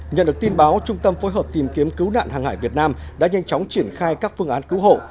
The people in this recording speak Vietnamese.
nhận được tin báo trung tâm phối hợp tìm kiếm cứu nạn hàng hải việt nam đã nhanh chóng triển khai các phương án cứu hộ